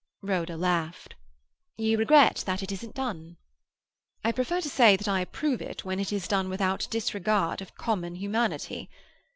Rhoda laughed. "You regret that it isn't done?" "I prefer to say that I approve it when it is done without disregard of common humanity.